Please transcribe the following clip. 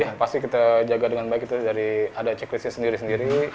ya pasti kita jaga dengan baik itu dari ada checklistnya sendiri sendiri